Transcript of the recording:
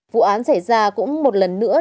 vụ án xảy ra cũng một lần nữa